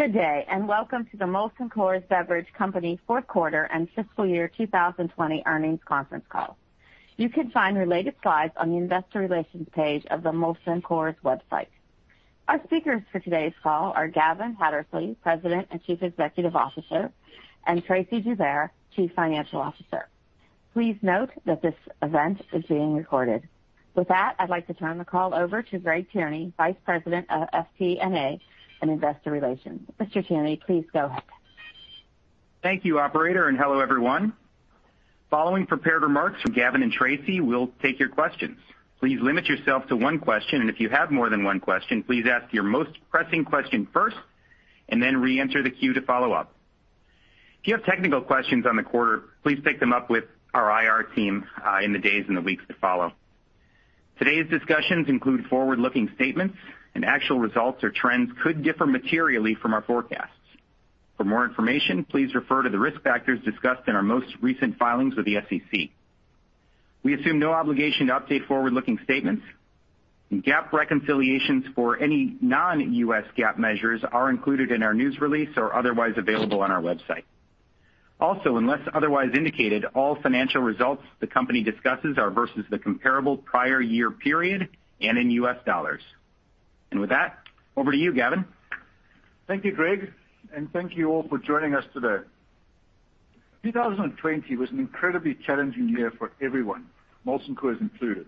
Good day. Welcome to the Molson Coors Beverage Company fourth quarter and fiscal year 2020 earnings conference call. You can find related slides on the investor relations page of the Molson Coors website. Our speakers for today's call are Gavin Hattersley, President and Chief Executive Officer, and Tracey Joubert, Chief Financial Officer. Please note that this event is being recorded. With that, I'd like to turn the call over to Greg Tierney, Vice President of FP&A and Investor Relations. Mr. Tierney, please go ahead. Thank you, operator, and hello, everyone. Following prepared remarks from Gavin and Tracey, we'll take your questions. Please limit yourself to one question, and if you have more than one question, please ask your most pressing question first, and then re-enter the queue to follow up. If you have technical questions on the quarter, please take them up with our IR team in the days and the weeks to follow. Today's discussions include forward-looking statements, and actual results or trends could differ materially from our forecasts. For more information, please refer to the risk factors discussed in our most recent filings with the SEC. We assume no obligation to update forward-looking statements. GAAP reconciliations for any non-U.S. GAAP measures are included in our news release or otherwise available on our website. Also, unless otherwise indicated, all financial results the company discusses are versus the comparable prior year period and in US dollars. With that, over to you, Gavin. Thank you, Greg. Thank you all for joining us today. 2020 was an incredibly challenging year for everyone, Molson Coors included.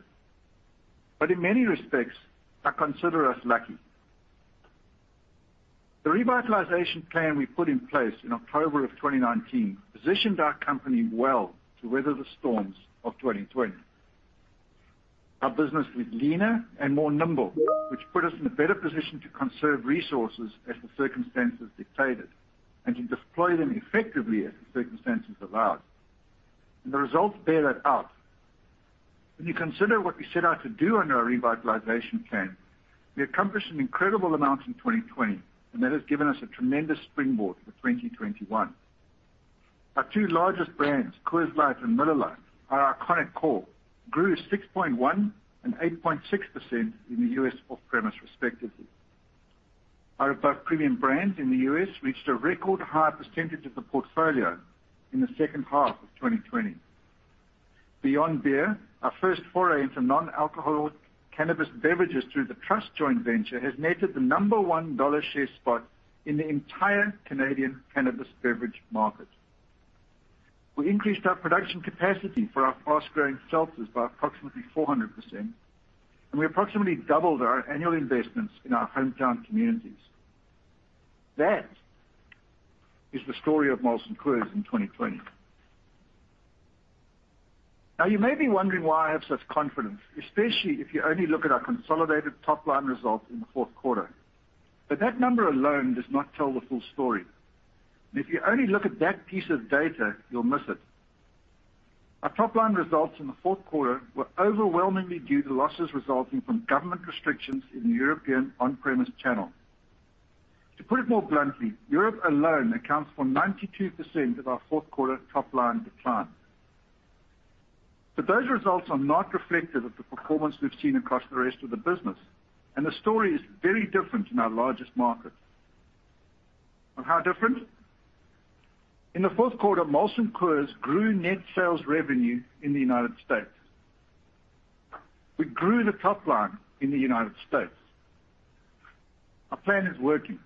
In many respects, I consider us lucky. The revitalization plan we put in place in October of 2019 positioned our company well to weather the storms of 2020. Our business was leaner and more nimble, which put us in a better position to conserve resources as the circumstances dictated, and to deploy them effectively as the circumstances allowed. The results bear that out. When you consider what we set out to do on our revitalization plan, we accomplished an incredible amount in 2020, and that has given us a tremendous springboard for 2021. Our two largest brands, Coors Light and Miller Lite, our iconic core, grew 6.1% and 8.6% in the U.S. off-premise respectively. Our above-premium brands in the U.S. reached a record high percentage of the portfolio in the H2 of 2020. Beyond beer, our first foray into non-alcoholic cannabis beverages through the Truss Joint Venture has netted the number one dollar share spot in the entire Canadian cannabis beverage market. We increased our production capacity for our fast-growing seltzers by approximately 400%, and we approximately doubled our annual investments in our hometown communities. That is the story of Molson Coors in 2020. You may be wondering why I have such confidence, especially if you only look at our consolidated top-line results in the fourth quarter. That number alone does not tell the full story. If you only look at that piece of data, you'll miss it. Our top-line results in the fourth quarter were overwhelmingly due to losses resulting from government restrictions in the European on-premise channel. To put it more bluntly, Europe alone accounts for 92% of our fourth quarter top-line decline. Those results are not reflective of the performance we've seen across the rest of the business, and the story is very different in our largest markets. How different? In the fourth quarter, Molson Coors grew net sales revenue in the United States. We grew the top line in the United States. Our plan is working.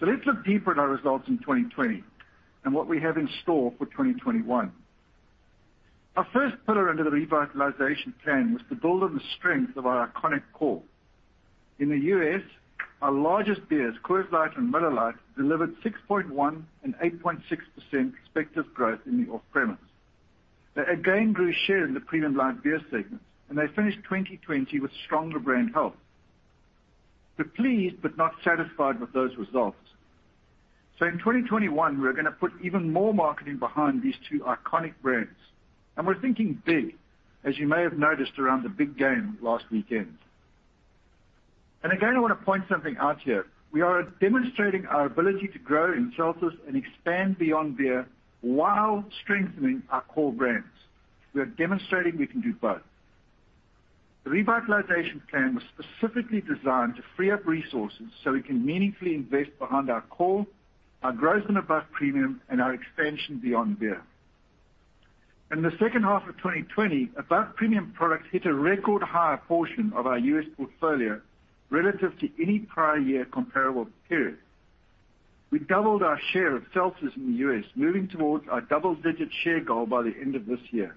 Let's look deeper at our results in 2020 and what we have in store for 2021. Our first pillar under the revitalization plan was to build on the strength of our iconic core. In the U.S., our largest beers, Coors Light and Miller Lite, delivered 6.1% and 8.6% respective growth in the off-premise. They again grew share in the premium light beer segments, and they finished 2020 with stronger brand health. We're pleased but not satisfied with those results. In 2021, we're going to put even more marketing behind these two iconic brands, and we're thinking big, as you may have noticed around the big game last weekend. Again, I want to point something out here. We are demonstrating our ability to grow in seltzers and expand beyond beer while strengthening our core brands. We are demonstrating we can do both. The Revitalization Plan was specifically designed to free up resources so we can meaningfully invest behind our core, our growth and above premium, and our expansion beyond beer. In the H2 of 2020, above premium products hit a record high portion of our U.S. portfolio relative to any prior year comparable period. We doubled our share of seltzers in the U.S., moving towards our double-digit share goal by the end of this year.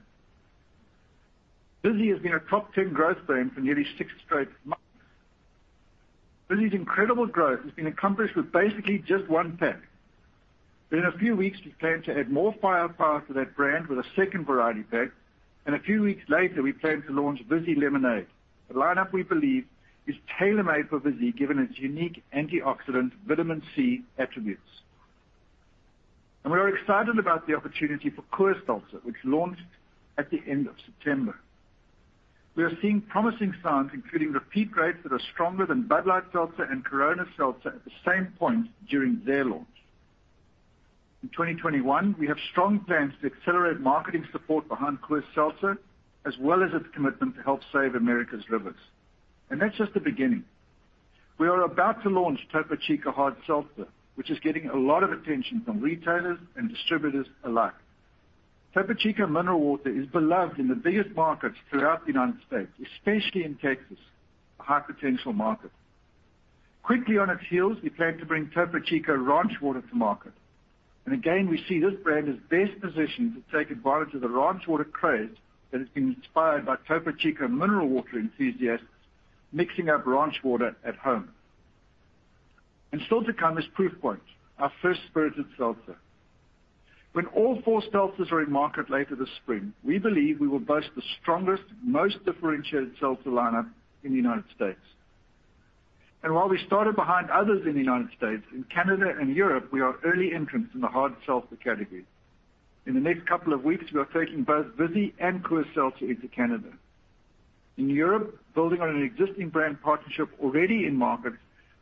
Vizzy has been a top 10 growth brand for nearly six straight months. Vizzy's incredible growth has been accomplished with basically just one pack. In a few weeks, we plan to add more firepower to that brand with a second variety pack, a few weeks later, we plan to launch Vizzy Lemonade Hard Seltzer. The lineup we believe is tailor-made for Vizzy given its unique antioxidant vitamin C attributes. We are excited about the opportunity for Coors Seltzer, which launched at the end of September. We are seeing promising signs, including repeat rates that are stronger than Bud Light Seltzer and Corona Hard Seltzer at the same point during their launch. In 2021, we have strong plans to accelerate marketing support behind Coors Seltzer, as well as its commitment to help save America's rivers. That's just the beginning. We are about to launch Topo Chico Hard Seltzer, which is getting a lot of attention from retailers and distributors alike. Topo Chico Mineral Water is beloved in the biggest markets throughout the United States, especially in Texas, a high potential market. Quickly on its heels, we plan to bring Topo Chico Ranch Water to market. Again, we see this brand as best positioned to take advantage of the ranch water craze that has been inspired by Topo Chico Mineral Water enthusiasts mixing up ranch water at home. Still to come is Proof Point, our first spirited seltzer. When all four seltzers are in market later this spring, we believe we will boast the strongest, most differentiated seltzer lineup in the United States. While we started behind others in the United States, in Canada and Europe, we are early entrants in the hard seltzer category. In the next couple of weeks, we are taking both Vizzy and Coors Seltzer into Canada. In Europe, building on an existing brand partnership already in market,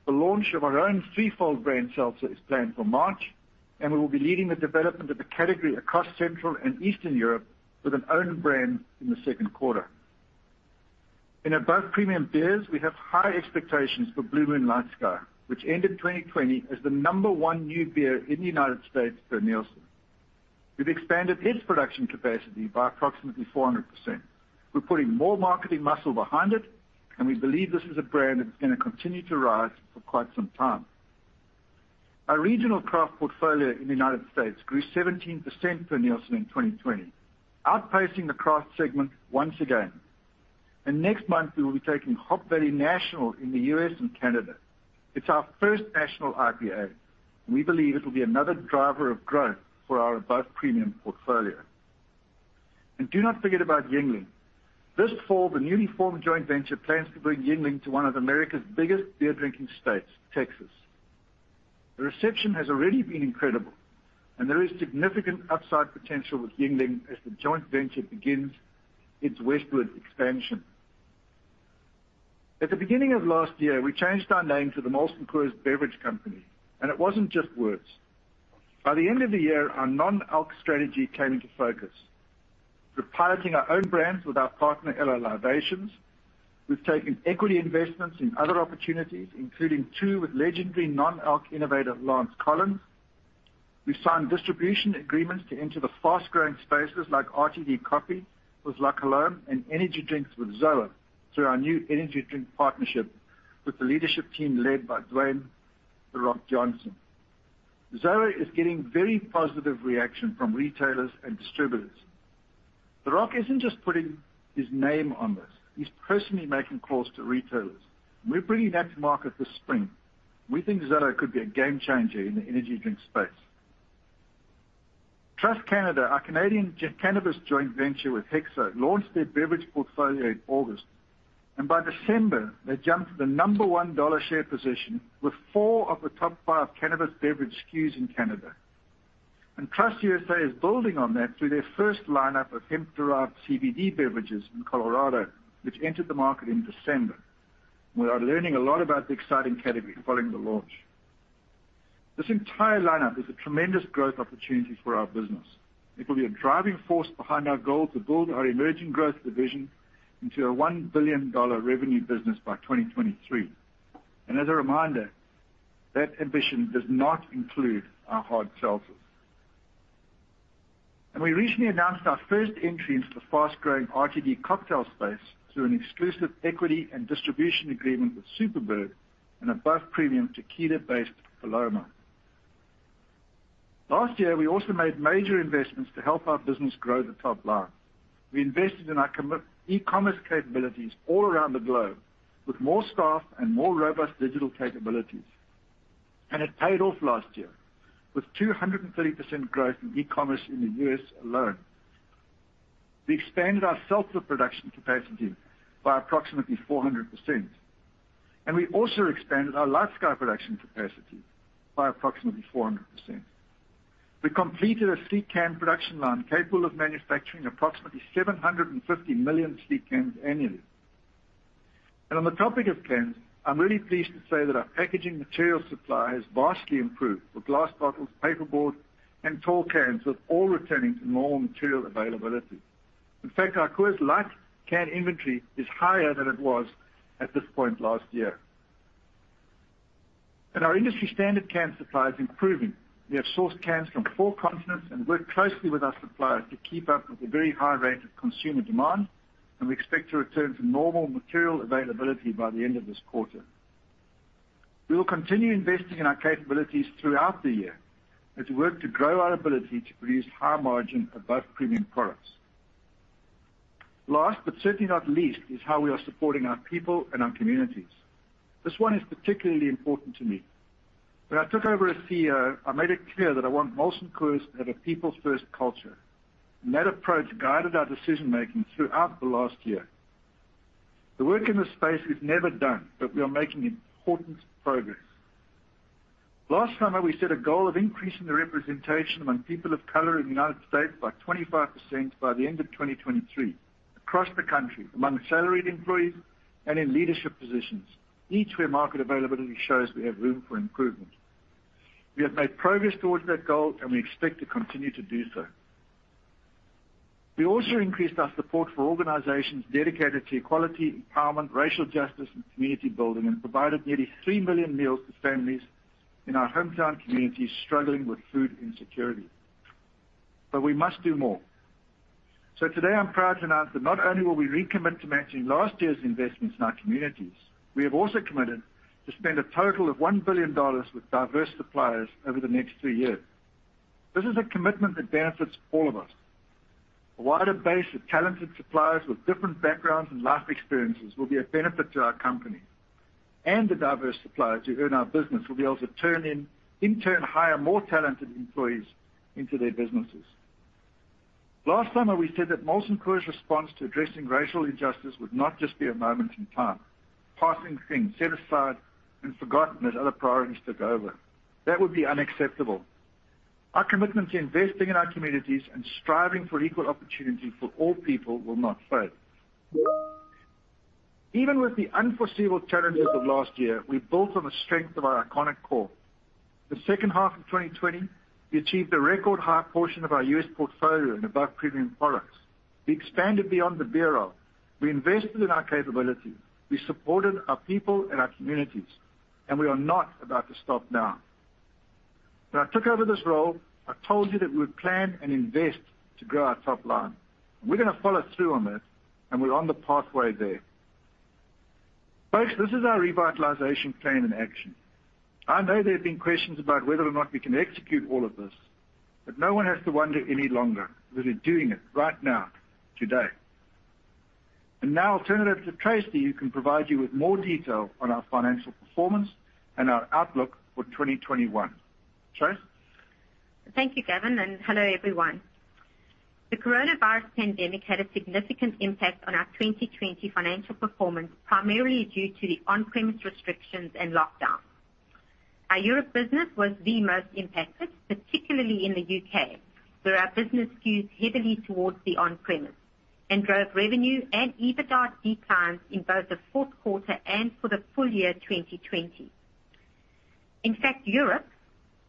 the launch of our own Three Fold brand seltzer is planned for March, and we will be leading the development of the category across Central and Eastern Europe with an own brand in the second quarter. In Above Premium Beers, we have high expectations for Blue Moon LightSky, which ended 2020 as the number one new beer in the United States per Nielsen. We've expanded its production capacity by approximately 400%. We're putting more marketing muscle behind it, and we believe this is a brand that's going to continue to rise for quite some time. Our regional craft portfolio in the United States grew 17% per Nielsen in 2020, outpacing the craft segment once again. Next month, we will be taking Hop Valley national in the U.S. and Canada. It's our first national IPA, and we believe it will be another driver of growth for our Above Premium portfolio. Do not forget about Yuengling. This fall, the newly formed joint venture plans to bring Yuengling to one of America's biggest beer-drinking states, Texas. The reception has already been incredible, and there is significant upside potential with Yuengling as the joint venture begins its westward expansion. At the beginning of last year, we changed our name to the Molson Coors Beverage Company, and it wasn't just words. By the end of the year, our non-alc strategy came into focus. We're piloting our own brands with our partner, L.A. Libations. We've taken equity investments in other opportunities, including two with legendary non-alc innovator Lance Collins. We've signed distribution agreements to enter the fast-growing spaces like RTD Coffee with La Colombe and Energy Drinks with ZOA through our new energy drink partnership with the leadership team led by Dwayne "The Rock" Johnson. ZOA is getting very positive reaction from retailers and distributors. The Rock isn't just putting his name on this. He's personally making calls to retailers. We're bringing that to market this spring. We think ZOA could be a game changer in the energy drink space. Truss Canada, our Canadian cannabis joint venture with HEXO, launched their beverage portfolio in August. By December, they jumped to the number one dollar share position with four of the top five cannabis beverage SKUs in Canada. Truss USA is building on that through their first lineup of hemp-derived CBD beverages in Colorado, which entered the market in December. We are learning a lot about the exciting category following the launch. This entire lineup is a tremendous growth opportunity for our business. It will be a driving force behind our goal to build our emerging growth division into a $1 billion revenue business by 2023. As a reminder, that ambition does not include our hard seltzers. We recently announced our first entry into the fast-growing RTD cocktail space through an exclusive equity and distribution agreement with Superbird an above premium tequila-based Paloma. Last year, we also made major investments to help our business grow the top line. We invested in our e-commerce capabilities all around the globe with more staff and more robust digital capabilities. It paid off last year with 230% growth in e-commerce in the U.S. alone. We expanded our seltzer production capacity by approximately 400%. We also expanded our LightSky production capacity by approximately 400%. We completed a sleek can production line capable of manufacturing approximately 750 million sleek cans annually. On the topic of cans, I'm really pleased to say that our packaging material supply has vastly improved, with glass bottles, paperboard, and tall cans with all returning to normal material availability. In fact, our Coors Light can inventory is higher than it was at this point last year. Our industry-standard can supply is improving. We have sourced cans from four continents and worked closely with our suppliers to keep up with the very high rate of consumer demand, and we expect to return to normal material availability by the end of this quarter. We will continue investing in our capabilities throughout the year as we work to grow our ability to produce high-margin Above Premium products. Last, but certainly not least, is how we are supporting our people and our communities. This one is particularly important to me. When I took over as CEO, I made it clear that I want Molson Coors at a people-first culture, and that approach guided our decision-making throughout the last year. The work in this space is never done, but we are making important progress. Last summer, we set a goal of increasing the representation among people of color in the United States by 25% by the end of 2023. Across the country, among salaried employees and in leadership positions, each where market availability shows we have room for improvement. We have made progress towards that goal, and we expect to continue to do so. We also increased our support for organizations dedicated to equality, empowerment, racial justice, and community building, and provided nearly 3 million meals to families in our hometown communities struggling with food insecurity. We must do more. Today, I'm proud to announce that not only will we recommit to matching last year's investments in our communities, we have also committed to spend a total of $1 billion with diverse suppliers over the next three years. This is a commitment that benefits all of us. A wider base of talented suppliers with different backgrounds and life experiences will be a benefit to our company. The diverse suppliers who earn our business will be able to, in turn, hire more talented employees into their businesses. Last summer, we said that Molson Coors' response to addressing racial injustice would not just be a moment in time, passing things set aside and forgotten as other priorities took over. That would be unacceptable. Our commitment to investing in our communities and striving for equal opportunity for all people will not fade. Even with the unforeseeable challenges of last year, we built on the strength of our iconic core. The H2 of 2020, we achieved a record high portion of our U.S. portfolio in above-premium products. We expanded beyond the beer. We invested in our capability. We supported our people and our communities, and we are not about to stop now. When I took over this role, I told you that we would plan and invest to grow our top line. We're going to follow through on this, and we're on the pathway there. Folks, this is our revitalization plan in action. I know there have been questions about whether or not we can execute all of this, but no one has to wonder any longer. We're doing it right now, today. Now I'll turn it over to Tracey, who can provide you with more detail on our financial performance and our outlook for 2021. Trace? Thank you, Gavin. Hello, everyone. The coronavirus pandemic had a significant impact on our 2020 financial performance, primarily due to the on-premise restrictions and lockdowns. Our Europe business was the most impacted, particularly in the U.K., where our business skews heavily towards the on-premise and drove revenue and EBITDA declines in both the fourth quarter and for the full year 2020. In fact, Europe,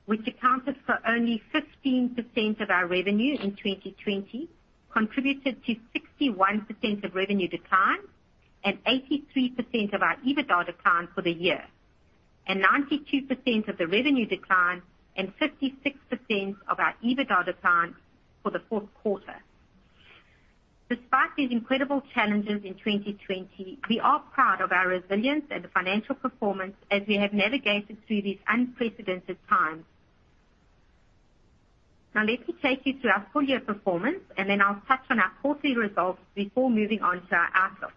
which accounted for only 15% of our revenue in 2020, contributed to 61% of revenue decline and 83% of our EBITDA decline for the year, and 92% of the revenue decline and 56% of our EBITDA decline for the fourth quarter. Despite these incredible challenges in 2020, we are proud of our resilience and financial performance as we have navigated through these unprecedented times. Let me take you through our full-year performance, and then I'll touch on our quarterly results before moving on to our outlook.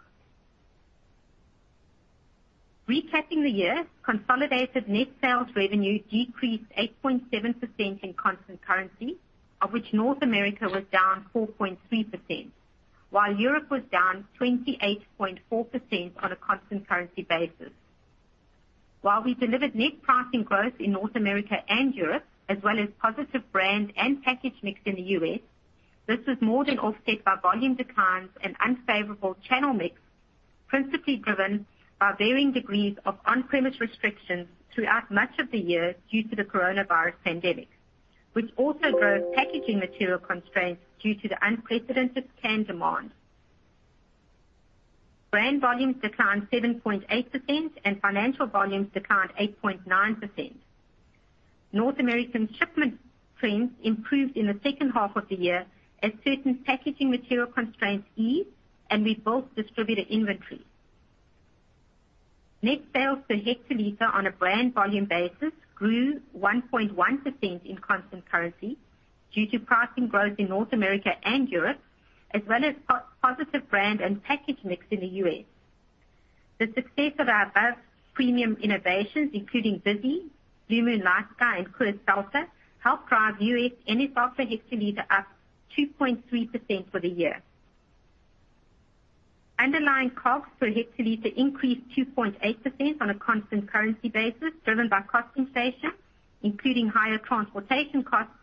Recapping the year, consolidated net sales revenue decreased 8.7% in constant currency, of which North America was down 4.3%, while Europe was down 28.4% on a constant currency basis. We delivered net pricing growth in North America and Europe, as well as positive brand and package mix in the U.S., this was more than offset by volume declines and unfavorable channel mix, principally driven by varying degrees of on-premise restrictions throughout much of the year due to the coronavirus pandemic, which also drove packaging material constraints due to the unprecedented can demand. Brand volumes declined 7.8%, and financial volumes declined 8.9%. North American shipment trends improved in the H2 of the year as certain packaging material constraints eased, and we built distributor inventory. Net sales per hectoliter on a brand volume basis grew 1.1% in constant currency due to pricing growth in North America and Europe, as well as positive brand and package mix in the U.S. The success of our above-premium innovations, including Vizzy, Blue Moon LightSky, and Coors Seltzer, helped drive U.S. net sales per hectoliter up 2.3% for the year. Underlying COGS per hectoliter increased 2.8% on a constant currency basis, driven by cost inflation, including higher transportation costs,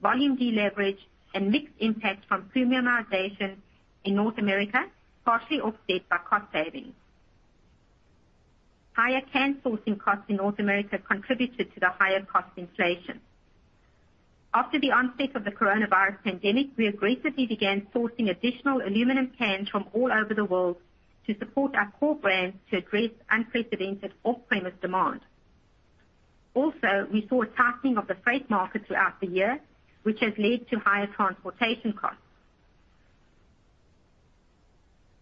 volume deleverage, and mixed impact from premiumization in North America, partially offset by cost savings. Higher can sourcing costs in North America contributed to the higher cost inflation. After the onset of the coronavirus pandemic, we aggressively began sourcing additional aluminum cans from all over the world to support our core brands to address unprecedented off-premise demand. We saw a tightening of the freight market throughout the year, which has led to higher transportation costs.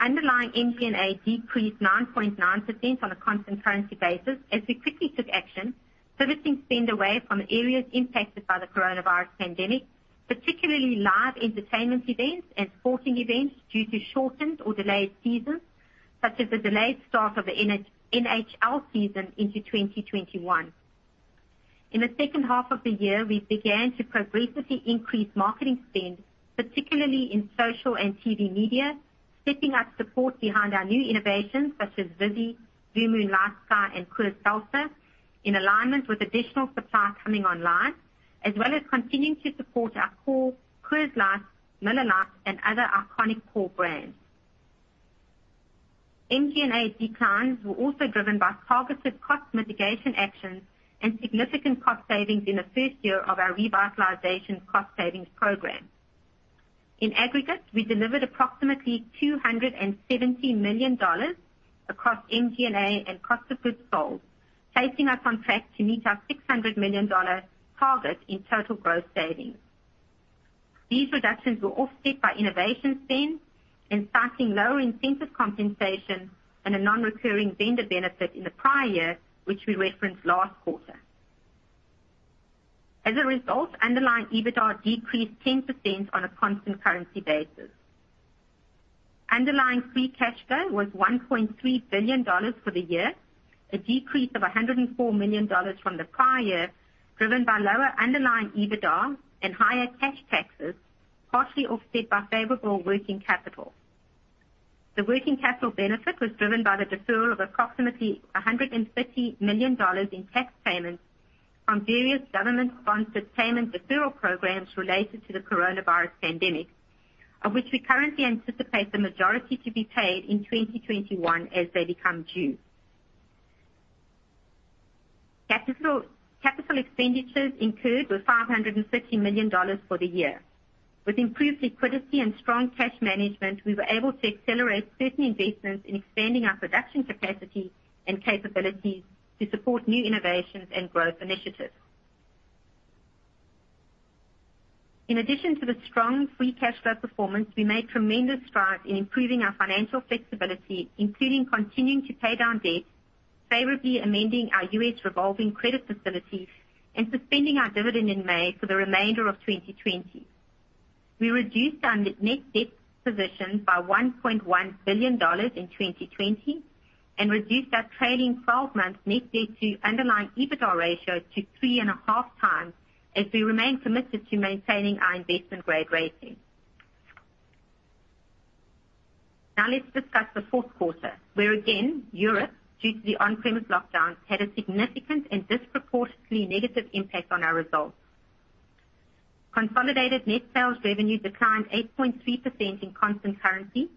Underlying SG&A decreased 9.9% on a constant currency basis as we quickly took action, pivoting spend away from areas impacted by the coronavirus pandemic, particularly live entertainment events and sporting events due to shortened or delayed seasons, such as the delayed start of the NHL season into 2021. In the H2 of the year, we began to progressively increase marketing spend, particularly in social and TV media, setting up support behind our new innovations such as Vizzy, Blue Moon LightSky, and Coors Seltzer, in alignment with additional supply coming online, as well as continuing to support our core Coors Light, Miller Lite, and other iconic core brands. MG&A declines were also driven by targeted cost mitigation actions and significant cost savings in the first year of our Revitalization Cost Savings Program. In aggregate, we delivered approximately $270 million across MG&A and cost of goods sold, placing us on track to meet our $600 million target in total growth savings. These reductions were offset by innovation spend and citing lower incentive compensation and a non-recurring vendor benefit in the prior year, which we referenced last quarter. As a result, underlying EBITDA decreased 10% on a constant currency basis. Underlying free cash flow was $1.3 billion for the year, a decrease of $104 million from the prior year, driven by lower underlying EBITDA and higher cash taxes, partially offset by favorable working capital. The working capital benefit was driven by the deferral of approximately $150 million in tax payments from various government-sponsored payment deferral programs related to the coronavirus pandemic, of which we currently anticipate the majority to be paid in 2021 as they become due. Capital expenditures incurred were $550 million for the year. With improved liquidity and strong cash management, we were able to accelerate certain investments in expanding our production capacity and capabilities to support new innovations and growth initiatives. In addition to the strong free cash flow performance, we made tremendous strides in improving our financial flexibility, including continuing to pay down debt, favorably amending our U.S. revolving credit facility, and suspending our dividend in May for the remainder of 2020. We reduced our net debt position by $1.1 billion in 2020 and reduced our trailing 12 months net debt to underlying EBITDA ratio to 3.5x as we remain committed to maintaining our investment-grade rating. Now let's discuss the fourth quarter, where, again, Europe, due to the on-premise lockdowns, had a significant and disproportionately negative impact on our results. Consolidated net sales revenue declined 8.3% in constant currency,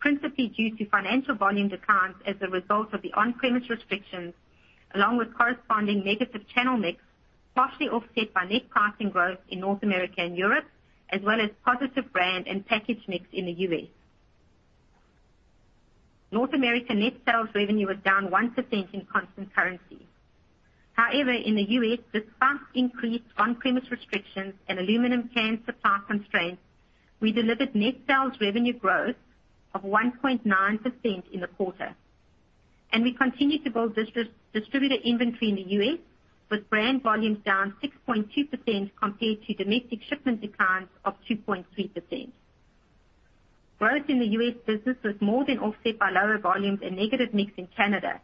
principally due to financial volume declines as a result of the on-premise restrictions, along with corresponding negative channel mix, partially offset by net pricing growth in North America and Europe, as well as positive brand and package mix in the U.S. North America net sales revenue was down 1% in constant currency. However, in the U.S., despite increased on-premise restrictions and aluminum can supply constraints, we delivered net sales revenue growth of 1.9% in the quarter. We continued to build distributor inventory in the U.S. with brand volumes down 6.2% compared to domestic shipment declines of 2.3%. Growth in the U.S. business was more than offset by lower volumes and negative mix in Canada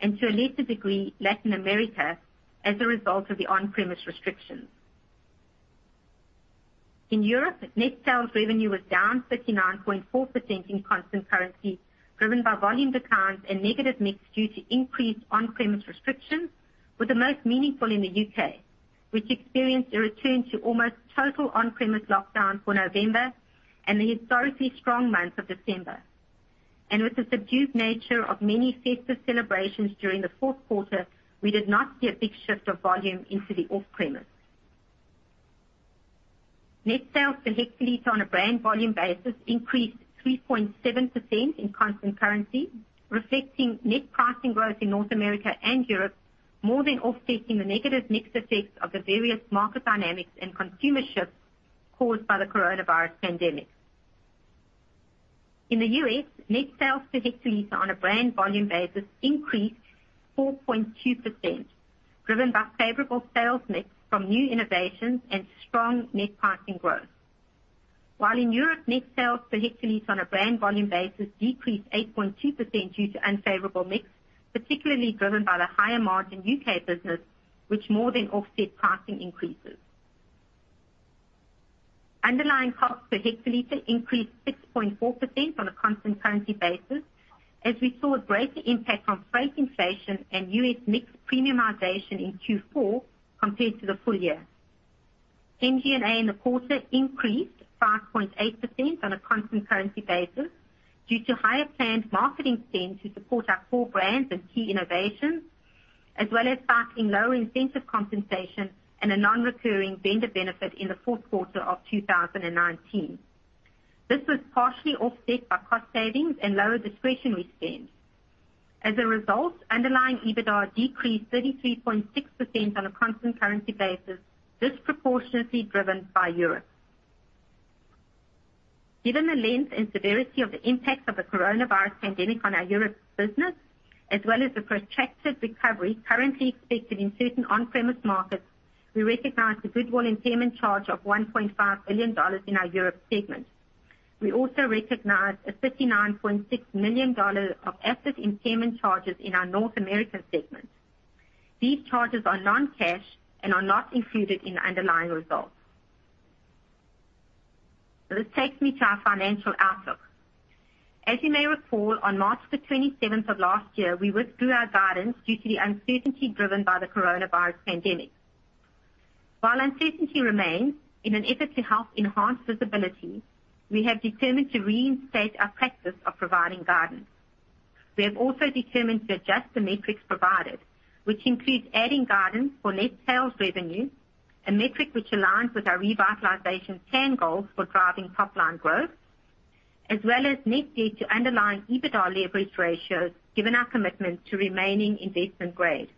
and, to a lesser degree, Latin America, as a result of the on-premise restrictions. In Europe, net sales revenue was down 39.4% in constant currency, driven by volume declines and negative mix due to increased on-premise restrictions, with the most meaningful in the U.K., which experienced a return to almost total on-premise lockdown for November and the historically strong month of December. With the subdued nature of many festive celebrations during the fourth quarter, we did not see a big shift of volume into the off-premise. Net sales per hectolitre on a brand volume basis increased 3.7% in constant currency, reflecting net pricing growth in North America and Europe, more than offsetting the negative mix effects of the various market dynamics and consumer shifts caused by the coronavirus pandemic. In the U.S., net sales per hectolitre on a brand volume basis increased 4.2%, driven by favorable sales mix from new innovations and strong net pricing growth. In Europe, net sales per hectolitre on a brand volume basis decreased 8.2% due to unfavorable mix, particularly driven by the higher margin U.K. business, which more than offset pricing increases. Underlying cost per hectolitre increased 6.4% on a constant currency basis, as we saw a greater impact from freight inflation and U.S. mix premiumization in Q4 compared to the full year. MG&A in the quarter increased 5.8% on a constant currency basis due to higher planned marketing spend to support our core brands and key innovations, as well as factoring lower incentive compensation and a non-recurring vendor benefit in the fourth quarter of 2019. This was partially offset by cost savings and lower discretionary spend. As a result, underlying EBITDA decreased 33.6% on a constant currency basis, disproportionately driven by Europe. Given the length and severity of the impact of the coronavirus pandemic on our Europe business, as well as the protracted recovery currently expected in certain on-premise markets, we recognized a goodwill impairment charge of $1.5 billion in our Europe segment. We also recognized a $59.6 million of asset impairment charges in our North America segment. These charges are non-cash and are not included in the underlying results. This takes me to our financial outlook. As you may recall, on March the 27th of last year, we withdrew our guidance due to the uncertainty driven by the coronavirus pandemic. While uncertainty remains, in an effort to help enhance visibility, we have determined to reinstate our practice of providing guidance. We have also determined to adjust the metrics provided, which includes adding guidance for net sales revenue, a metric which aligns with our Revitalization Plan goals for driving top line growth, as well as net debt to underlying EBITDA leverage ratios, given our commitment to remaining investment grade.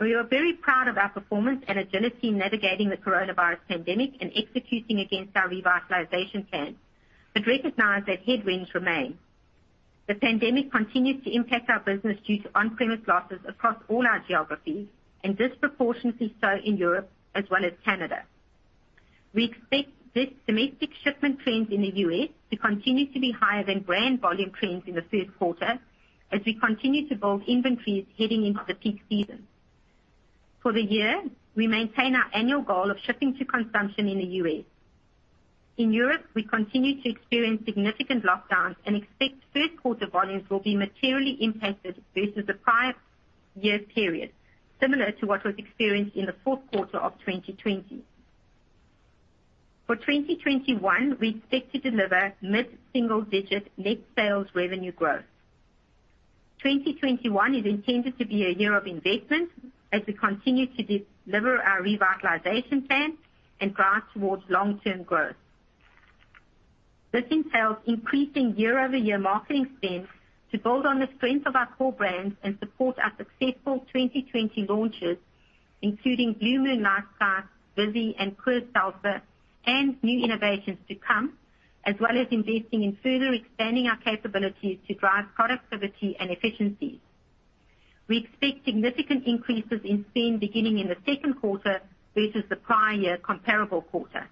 We are very proud of our performance and agility in navigating the coronavirus pandemic and executing against our Revitalization Plan, Recognize that headwinds remain. The pandemic continues to impact our business due to on-premise losses across all our geographies, Disproportionately so in Europe, as well as Canada. We expect this domestic shipment trends in the U.S. to continue to be higher than brand volume trends in the first quarter, as we continue to build inventories heading into the peak season. For the year, we maintain our annual goal of shipping to consumption in the U.S. In Europe, we continue to experience significant lockdowns and expect first quarter volumes will be materially impacted versus the prior year period, similar to what was experienced in the fourth quarter of 2020. For 2021, we expect to deliver mid-single-digit net sales revenue growth. 2021 is intended to be a year of investment as we continue to deliver our Revitalization Plan and drive towards long-term growth. This entails increasing year-over-year marketing spend to build on the strength of our core brands and support our successful 2020 launches, including Blue Moon, Michelob ULTRA, Vizzy, and Coors Seltzer, and new innovations to come, as well as investing in further expanding our capabilities to drive productivity and efficiencies. We expect significant increases in spend beginning in the second quarter versus the prior year comparable quarter.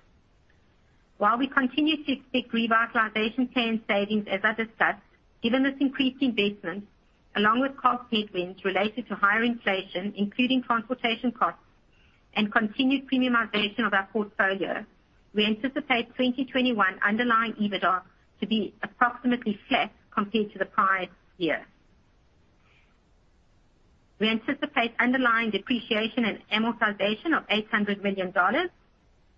While we continue to expect Revitalization Plan savings, as I discussed, given this increased investment, along with cost headwinds related to higher inflation, including transportation costs and continued premiumization of our portfolio, we anticipate 2021 underlying EBITDA to be approximately flat compared to the prior year. We anticipate underlying depreciation and amortization of $800 million,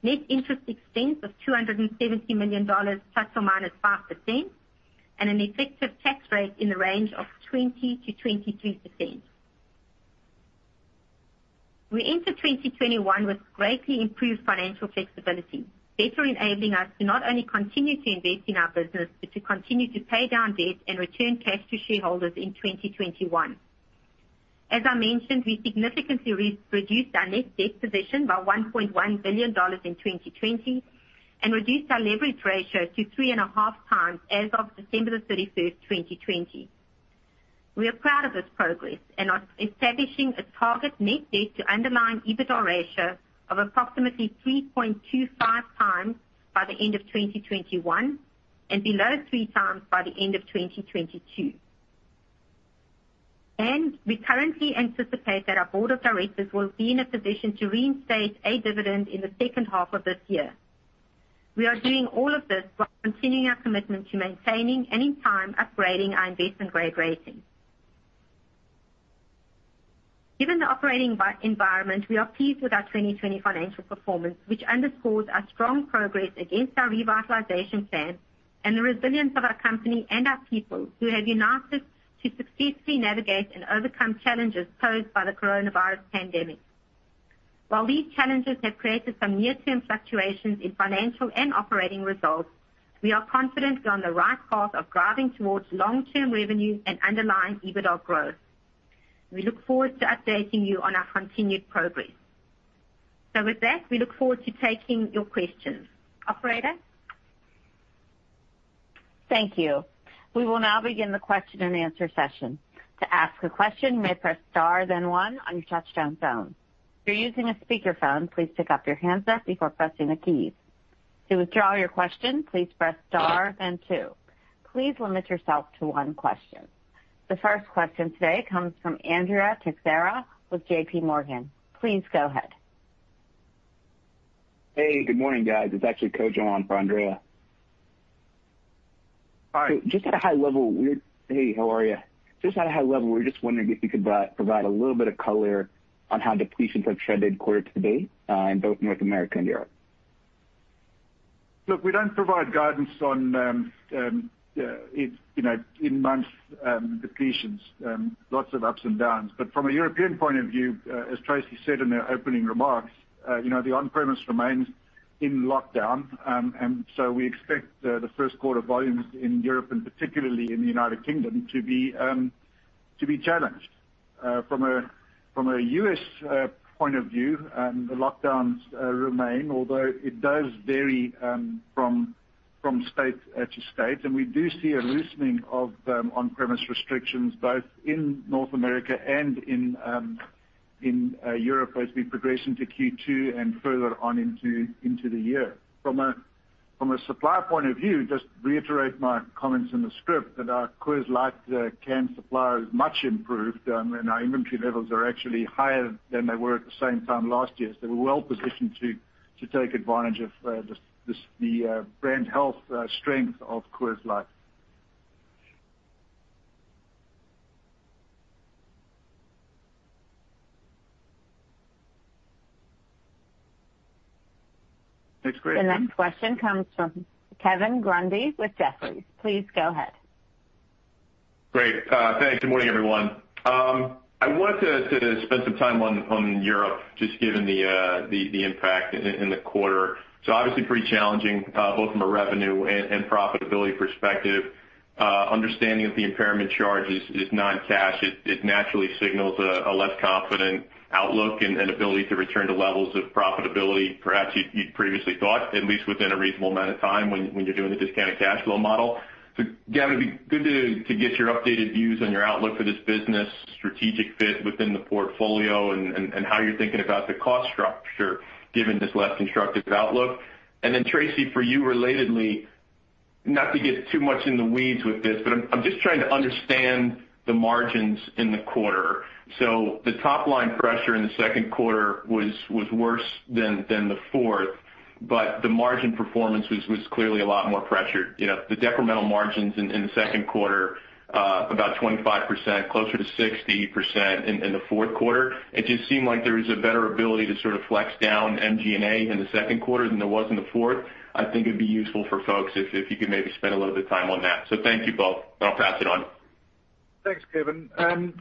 net interest expense of $270 million ±5%, and an effective tax rate in the range of 20%-23%. We enter 2021 with greatly improved financial flexibility, better enabling us to not only continue to invest in our business, but to continue to pay down debt and return cash to shareholders in 2021. As I mentioned, we significantly reduced our net debt position by $1.1 billion in 2020 and reduced our leverage ratio to 3.5x as of December 31st, 2020. We are proud of this progress and are establishing a target net debt to underlying EBITDA ratio of approximately 3.25x by the end of 2021 and below 3x by the end of 2022. We currently anticipate that our board of directors will be in a position to reinstate a dividend in the H2 of this year. We are doing all of this while continuing our commitment to maintaining, and in time, upgrading our investment grade rating. Given the operating environment, we are pleased with our 2020 financial performance, which underscores our strong progress against our Revitalization Plan and the resilience of our company and our people who have united to successfully navigate and overcome challenges posed by the coronavirus pandemic. While these challenges have created some near-term fluctuations in financial and operating results, we are confident we're on the right path of driving towards long-term revenue and underlying EBITDA growth. We look forward to updating you on our continued progress. With that, we look forward to taking your questions. Operator? Thank you. We will now begin the question and answer session. To ask a question you may press star then one on your touchtone phone. If you are using a speaker phone please pick up your handset before pressing the key. To withdraw your question please press star then two. Please limit yourself to one question. The first question today comes from Andrea Teixeira with JPMorgan. Please go ahead. Hey, good morning, guys. It's actually Kojo on for Andrea. Hi. Just at a high level, we're just wondering if you could provide a little bit of color on how depletions have trended quarter to date in both North America and Europe. Look, we don't provide guidance on in-month depletions. Lots of ups and downs. From a European point of view, as Tracey said in her opening remarks, the on-premise remains in lockdown. We expect the first quarter volumes in Europe and particularly in the United Kingdom to be challenged. From a U.S. point of view, the lockdowns remain, although it does vary from state to state, and we do see a loosening of on-premise restrictions both in North America and in Europe as we progress into Q2 and further on into the year. From a supply point of view, just reiterate my comments in the script that our Coors Light can supply is much improved, and our inventory levels are actually higher than they were at the same time last year. We're well-positioned to take advantage of the brand health strength of Coors Light. Thanks. Great. The next question comes from Kevin Grundy with Jefferies. Please go ahead. Great. Thanks. Good morning, everyone. I want to spend some time on Europe, just given the impact in the quarter. Obviously pretty challenging, both from a revenue and profitability perspective. Understanding that the impairment charge is non-cash, it naturally signals a less confident outlook and ability to return to levels of profitability, perhaps you'd previously thought, at least within a reasonable amount of time when you're doing a discounted cash flow model. Gavin, it'd be good to get your updated views on your outlook for this business, strategic fit within the portfolio, and how you're thinking about the cost structure, given this less constructive outlook. Tracey, for you relatedly, not to get too much in the weeds with this, but I'm just trying to understand the margins in the quarter. The top-line pressure in the second quarter was worse than the fourth, but the margin performance was clearly a lot more pressured. The detrimental margins in the second quarter, about 25%, closer to 60% in the fourth quarter. It just seemed like there was a better ability to sort of flex down M&A in the second quarter than there was in the fourth. I think it'd be useful for folks if you could maybe spend a little bit of time on that. Thank you both, and I'll pass it on. Thanks, Kevin.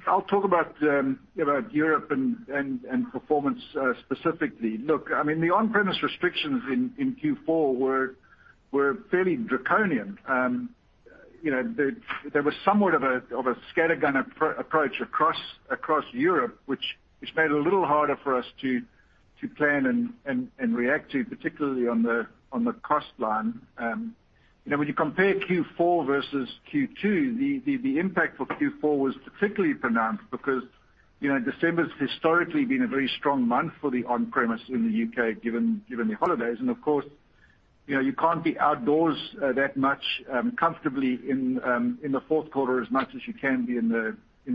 I'll talk about Europe and performance, specifically. Look, the on-premise restrictions in Q4 were fairly draconian. There was somewhat of a scattergun approach across Europe, which made it a little harder for us to plan and react to, particularly on the cost line. When you compare Q4 versus Q2, the impact for Q4 was particularly pronounced because December's historically been a very strong month for the on-premise in the U.K., given the holidays. Of course, you can't be outdoors that much comfortably in the fourth quarter as much as you can be in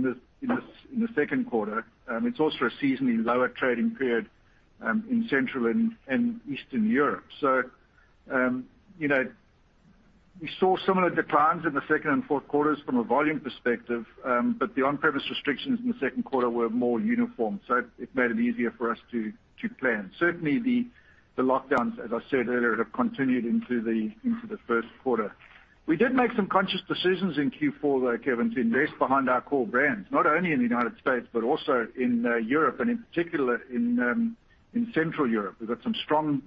the second quarter. It's also a seasonally lower trading period in Central and Eastern Europe. We saw similar declines in the second and fourth quarters from a volume perspective. The on-premise restrictions in the second quarter were more uniform, so it made it easier for us to plan. Certainly the lockdowns, as I said earlier, have continued into the first quarter. We did make some conscious decisions in Q4, though, Kevin, to invest behind our core brands, not only in the United States, but also in Europe, and in particular in Central Europe. We've got some strong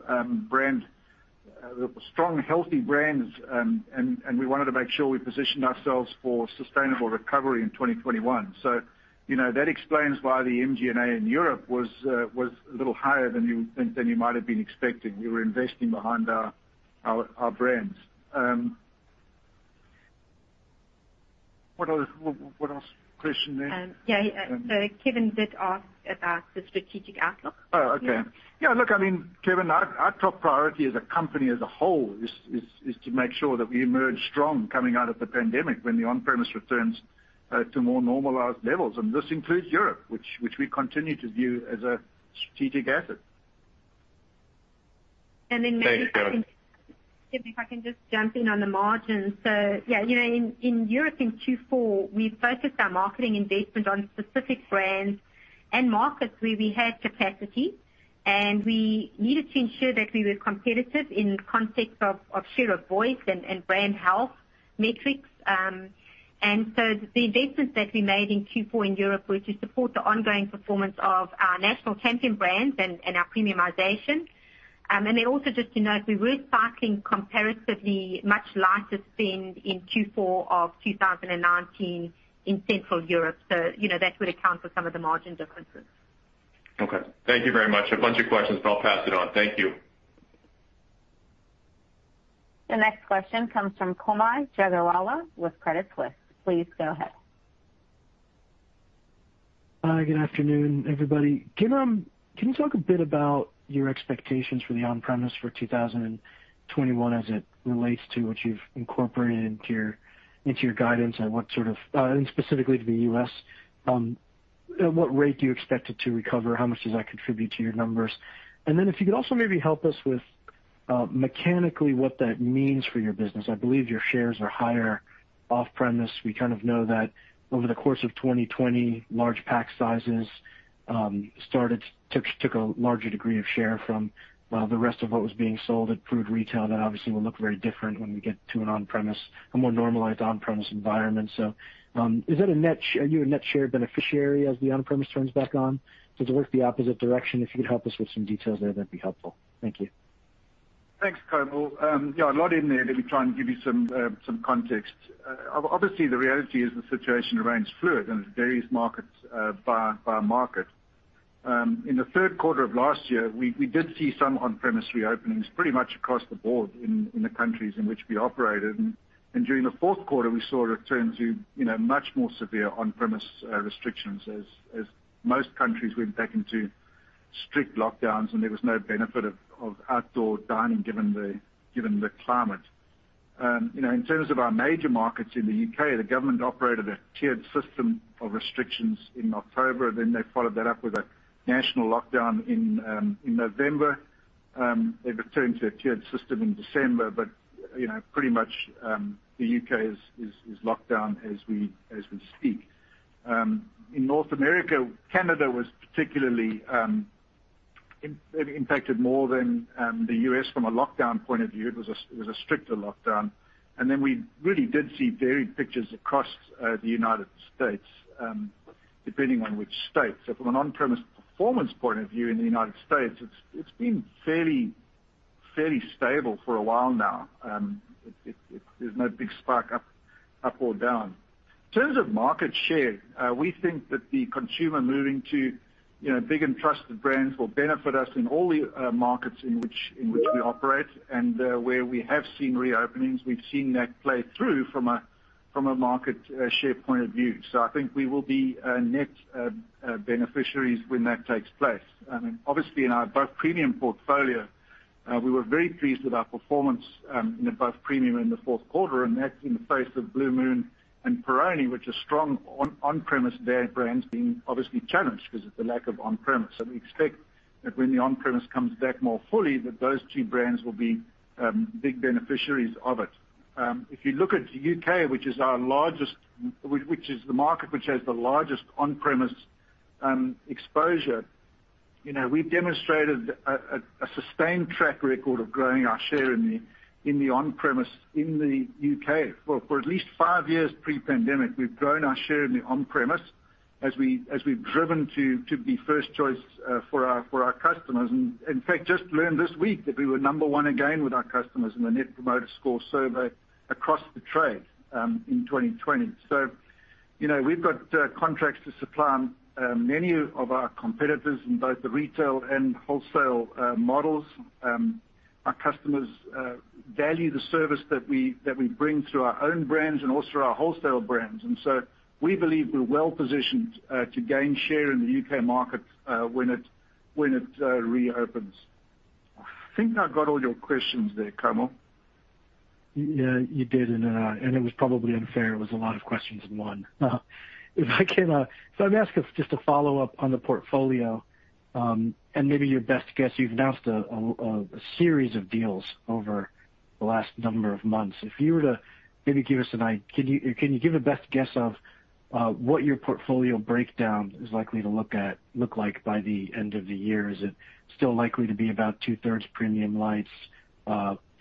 healthy brands. We wanted to make sure we positioned ourselves for sustainable recovery in 2021. That explains why the M&A in Europe was a little higher than you might have been expecting. We were investing behind our brands. What other question there? Yeah. Kevin did ask about the strategic outlook. Oh, okay. Yeah, look, Kevin, our top priority as a company as a whole is to make sure that we emerge strong coming out of the pandemic when the on-premise returns to more normalized levels. This includes Europe, which we continue to view as a strategic asset. Maybe, Kevin. Thanks. Kevin, if I can just jump in on the margin. Yeah, in Europe in Q4, we focused our marketing investment on specific brands and markets where we had capacity, and we needed to ensure that we were competitive in the context of share of voice and brand health metrics. The investments that we made in Q4 in Europe were to support the ongoing performance of our national champion brands and our premiumization. Also just to note, we were stacking comparatively much lighter spend in Q4 of 2019 in Central Europe. That would account for some of the margin differences. Okay. Thank you very much. A bunch of questions, but I'll pass it on. Thank you. The next question comes from Kaumil Gajrawala with Credit Suisse. Please go ahead. Hi, good afternoon, everybody. Can you talk a bit about your expectations for the on-premise for 2021 as it relates to what you've incorporated into your guidance and specifically to the U.S., at what rate do you expect it to recover? How much does that contribute to your numbers? If you could also maybe help us with mechanically what that means for your business. I believe your shares are higher off-premise. We kind of know that over the course of 2020, large pack sizes took a larger degree of share from the rest of what was being sold at grocery retail. That obviously will look very different when we get to a more normalized on-premise environment. Are you a net share beneficiary as the on-premise turns back on? Does it work the opposite direction? If you could help us with some details there, that'd be helpful. Thank you. Thanks, Kaumil. Yeah, a lot in there. Let me try and give you some context. Obviously, the reality is the situation remains fluid and it varies market by market. In the third quarter of last year, we did see some on-premise reopenings pretty much across the board in the countries in which we operated. During the fourth quarter, we saw a return to much more severe on-premise restrictions as most countries went back into strict lockdowns, and there was no benefit of outdoor dining given the climate. In terms of our major markets in the U.K., the government operated a tiered system of restrictions in October. They followed that up with a national lockdown in November. They returned to a tiered system in December, but pretty much, the U.K. is locked down as we speak. In North America, Canada was particularly impacted more than the U.S. from a lockdown point of view. It was a stricter lockdown. We really did see varied pictures across the United States, depending on which state. From an on-premise performance point of view in the United States, it's been fairly stable for a while now. There's no big spike up or down. In terms of market share, we think that the consumer moving to big and trusted brands will benefit us in all the markets in which we operate. Where we have seen reopenings, we've seen that play through from a market share point of view. I think we will be net beneficiaries when that takes place. Obviously, in our Above Premium portfolio, we were very pleased with our performance in Above Premium in the fourth quarter, and that's in the face of Blue Moon and Peroni, which are strong on-premise brands being obviously challenged because of the lack of on-premise. We expect that when the on-premise comes back more fully, that those two brands will be big beneficiaries of it. If you look at the U.K., which is the market which has the largest on-premise exposure, we've demonstrated a sustained track record of growing our share in the on-premise in the U.K. For at least five years pre-pandemic, we've grown our share in the on-premise as we've driven to be first choice for our customers. In fact, just learned this week that we were number one again with our customers in the net promoter score survey across the trade in 2020. We've got contracts to supply many of our competitors in both the retail and wholesale models. Our customers value the service that we bring through our own brands and also our wholesale brands. We believe we're well-positioned to gain share in the U.K. market when it reopens. I think I've got all your questions there, Kaumil. Yeah, you did, and it was probably unfair. It was a lot of questions in one. If I can, so I'm asking just a follow-up on the portfolio. Maybe your best guess, you've announced a series of deals over the last number of months. If you were to maybe give us a best guess of what your portfolio breakdown is likely to look like by the end of the year? Is it still likely to be about two-thirds premium lights,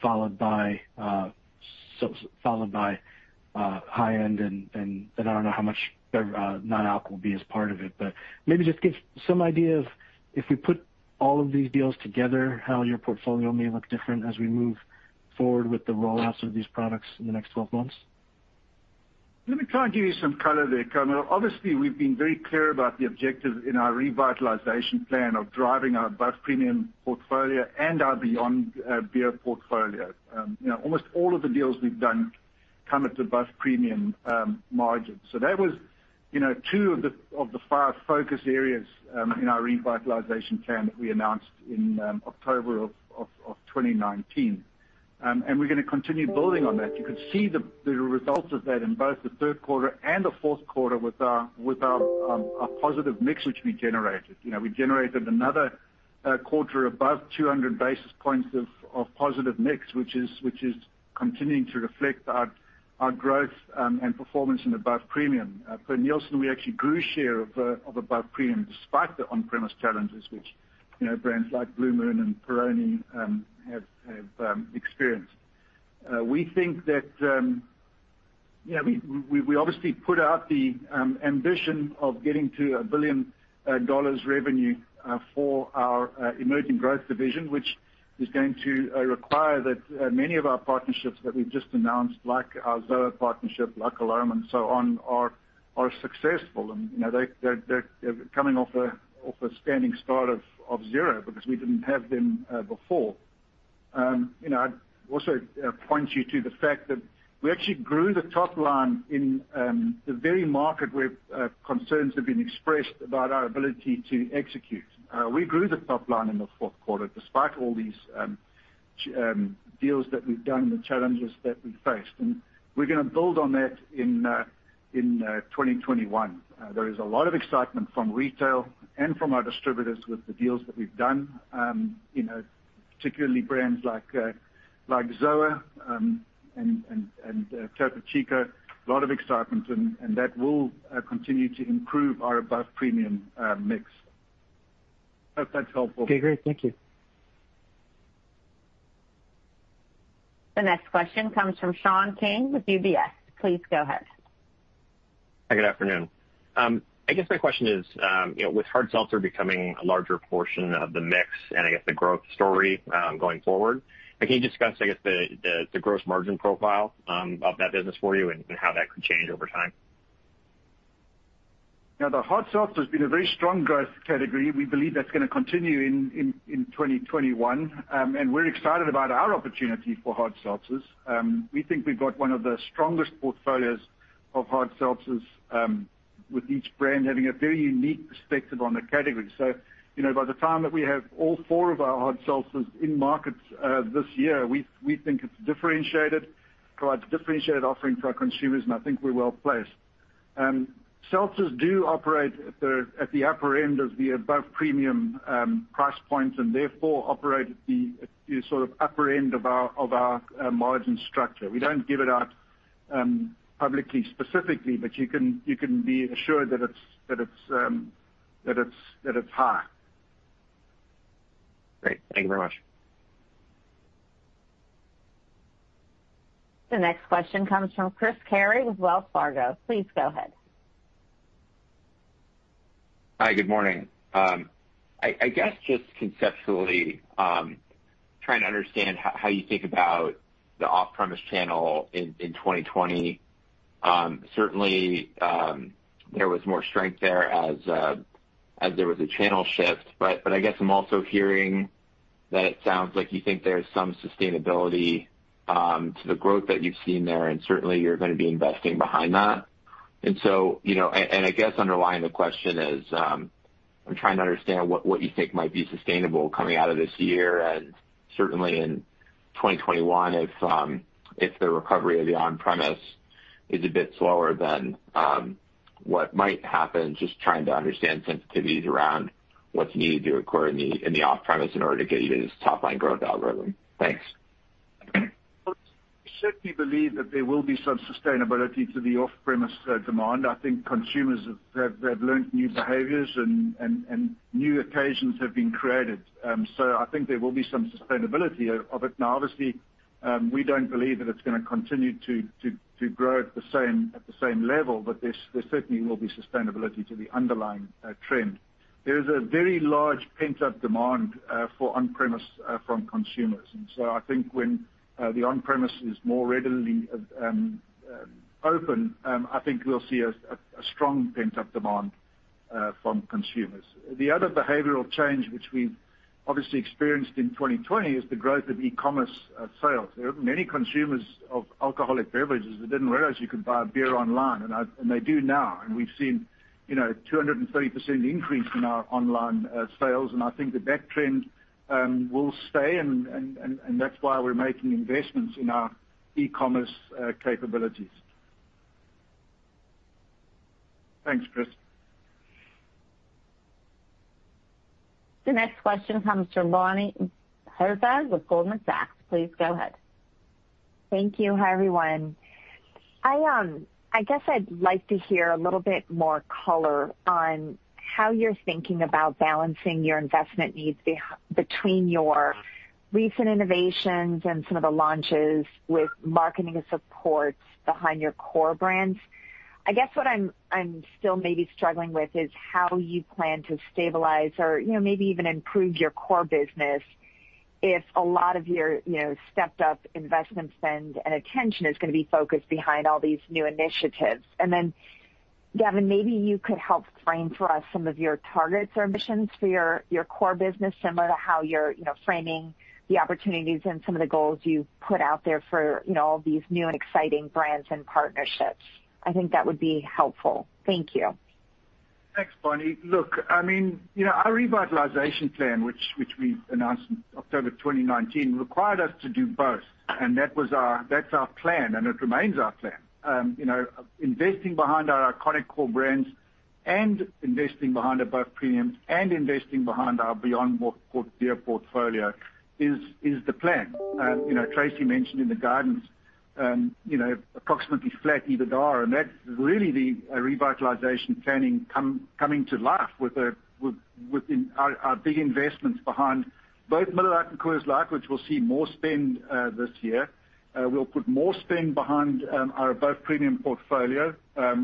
followed by high-end? I don't know how much non-alcohol will be as part of it, but maybe just give some idea of, if we put all of these deals together, how your portfolio may look different as we move forward with the roll-outs of these products in the next 12 months. Let me try and give you some color there, Kaumil. Obviously, we've been very clear about the objective in our revitalization plan of driving our Above Premium portfolio and our Beyond Beer portfolio. Almost all of the deals we've done come at the Above Premium margin. That was two of the five focus areas in our revitalization plan that we announced in October of 2019. We're going to continue building on that. You could see the results of that in both the third quarter and the fourth quarter with our positive mix, which we generated. We generated another quarter above 200 basis points of positive mix, which is continuing to reflect our growth and performance in Above Premium. Per Nielsen, we actually grew share of Above Premium despite the on-premise challenges, which brands like Blue Moon and Peroni have experienced. We obviously put out the ambition of getting to $1 billion revenue for our emerging growth division, which is going to require that many of our partnerships that we've just announced, like our ZOA partnership, like Arlo and so on, are successful. They're coming off a standing start of zero because we didn't have them before. I'd also point you to the fact that we actually grew the top line in the very market where concerns have been expressed about our ability to execute. We grew the top line in the fourth quarter despite all these deals that we've done and the challenges that we faced, and we're going to build on that in 2021. There is a lot of excitement from retail and from our distributors with the deals that we've done. Particularly brands like ZOA and Topo Chico, a lot of excitement, and that will continue to improve our Above Premium mix. Hope that's helpful. Okay, great. Thank you. The next question comes from Sean King with UBS. Please go ahead. Good afternoon. I guess my question is, with hard seltzer becoming a larger portion of the mix and I guess the growth story going forward, can you just discuss, I guess, the gross margin profile of that business for you and how that could change over time? The hard seltzer has been a very strong growth category. We believe that's going to continue in 2021, and we're excited about our opportunity for hard seltzers. We think we've got one of the strongest portfolios of hard seltzers, with each brand having a very unique perspective on the category. By the time that we have all four of our hard seltzers in markets this year, we think it's differentiated, provides a differentiated offering for our consumers, and I think we're well-placed. Seltzers do operate at the upper end of the above-premium price point, and therefore, operate at the upper end of our margin structure. We don't give it out publicly, specifically, but you can be assured that it's high. Great. Thank you very much. The next question comes from Chris Carey with Wells Fargo. Please go ahead. Hi, good morning. I guess just conceptually, trying to understand how you think about the off-premise channel in 2020. Certainly, there was more strength there as there was a channel shift, I guess I'm also hearing that it sounds like you think there's some sustainability to the growth that you've seen there, and certainly you're going to be investing behind that. I guess underlying the question is, I'm trying to understand what you think might be sustainable coming out of this year and certainly in 2021 if the recovery of the on-premise is a bit slower than what might happen. Just trying to understand sensitivities around what's needed to acquire in the off-premise in order to get you to this top-line growth algorithm. Thanks. Well, we certainly believe that there will be some sustainability to the off-premise demand. I think consumers have learned new behaviors and new occasions have been created. I think there will be some sustainability of it. We don't believe that it's going to continue to grow at the same level, but there certainly will be sustainability to the underlying trend. There is a very large pent-up demand for on-premise from consumers. I think when the on-premise is more readily open, I think we'll see a strong pent-up demand from consumers. The other behavioral change which we've obviously experienced in 2020 is the growth of e-commerce sales. There are many consumers of alcoholic beverages that didn't realize you could buy beer online, and they do now. We've seen 230% increase in our online sales, and I think that that trend will stay and that's why we're making investments in our e-commerce capabilities. Thanks, Chris. The next question comes from Bonnie Herzog with Goldman Sachs. Please go ahead. Thank you. Hi, everyone. I guess I'd like to hear a little bit more color on how you're thinking about balancing your investment needs between your recent innovations and some of the launches with marketing supports behind your core brands. I guess what I'm still maybe struggling with is how you plan to stabilize or maybe even improve your core business if a lot of your stepped-up investment spend and attention is going to be focused behind all these new initiatives. Then Gavin, maybe you could help frame for us some of your targets or missions for your core business, similar to how you're framing the opportunities and some of the goals you've put out there for all these new and exciting brands and partnerships. I think that would be helpful. Thank you. Thanks, Bonnie. Look, our revitalization plan, which we announced in October 2019, required us to do both. That's our plan, and it remains our plan. Investing behind our iconic core brands and investing behind above premiums and investing behind our Beyond Beer portfolio is the plan. Tracey mentioned in the guidance, approximately flat EBITDA. That's really the revitalization planning coming to life with our big investments behind both Miller Lite and Coors Light, which we'll see more spend this year. We'll put more spend behind our above-premium portfolio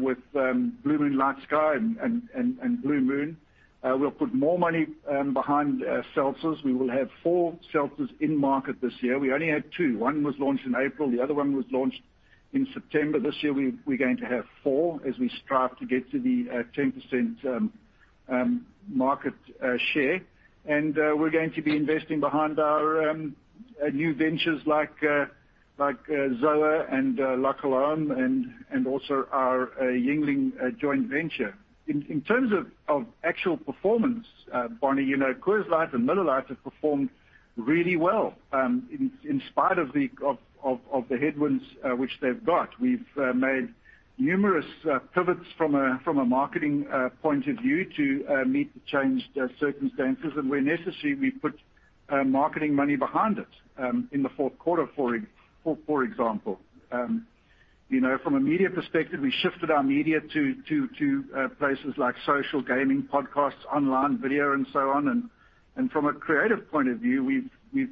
with Blue Moon LightSky and Blue Moon. We'll put more money behind seltzers. We will have four seltzers in market this year. We only had two. One was launched in April, the other one was launched in September. This year, we're going to have four as we strive to get to the 10% market share. We're going to be investing behind our new ventures like ZOA and La Colombe and also our Yuengling joint venture. In terms of actual performance, Bonnie, Coors Light and Miller Lite have performed really well in spite of the headwinds which they've got. We've made numerous pivots from a marketing point of view to meet the changed circumstances. Where necessary, we put marketing money behind it, in the fourth quarter, for example. From a media perspective, we shifted our media to places like social, gaming, podcasts, online video, and so on. From a creative point of view, we've